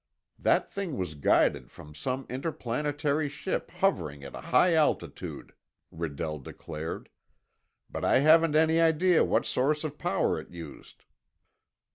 That thing was guided from some interplanetary ship, hovering at a high altitude," Redell declared. "But I haven't any idea what source of power it used."